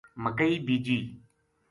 مکئی بیجی